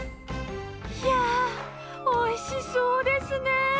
いやぁ、おいしそうですねぇ。